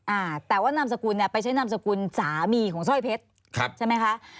อ่าแต่ว่านามสกุลเนี่ยไปใช้นามสกุลสามีของสร้อยเพชรครับใช่ไหมคะ